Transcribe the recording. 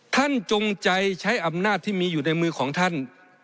จงใจใช้อำนาจที่มีอยู่ในมือของท่าน